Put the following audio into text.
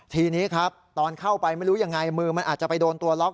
ทีนี้ครับตอนเข้าไปไม่รู้ยังไงมือมันอาจจะไปโดนตัวล็อก